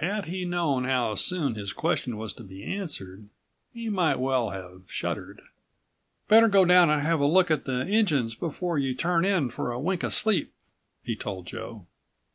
Had he known how soon his question was to be answered he might well have shuddered. "Better go down and have a look at the engines before you turn in for a wink of sleep," he told Joe.